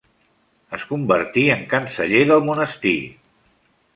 Es convertí en canceller del monestir.